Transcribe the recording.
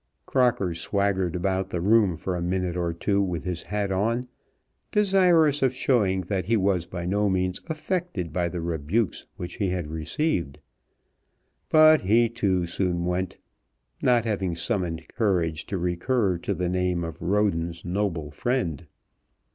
Crocker swaggered about the room for a minute or two with his hat on, desirous of showing that he was by no means affected by the rebukes which he had received. But he, too, soon went, not having summoned courage to recur to the name of Roden's noble friend.